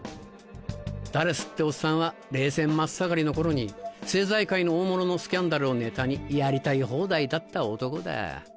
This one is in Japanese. ダレスっておっさんは冷戦真っ盛りの頃に政財界の大物のスキャンダルをネタにやりたい放題だった男だ。